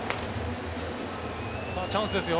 チャンスですよ。